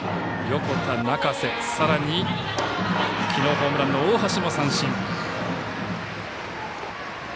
横田、中瀬、さらにきのうホームランの大橋も三振。